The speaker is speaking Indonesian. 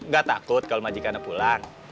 gak takut kalo majikan pulang